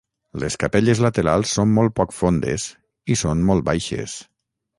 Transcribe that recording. Les capelles laterals són molt poc fondes i són molt baixes.